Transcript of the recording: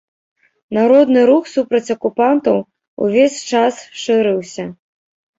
Народны рух супраць акупантаў увесь час шырыўся.